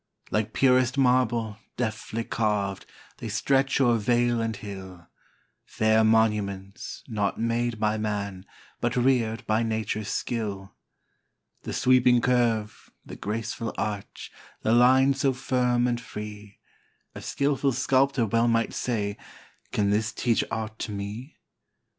Like purest marble, deftly carv'd, They stretch o'er vale and hill, Fair monuments, not made by man, But rear'd by nature's skill. The sweeping curve, the graceful arch, The line so firm and free; A skilful sculptor well might say: "Can this teach aught to me?"